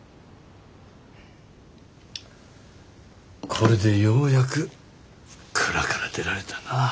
これでようやく蔵から出られたな。